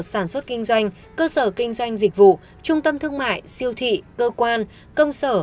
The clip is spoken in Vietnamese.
sản xuất kinh doanh cơ sở kinh doanh dịch vụ trung tâm thương mại siêu thị cơ quan công sở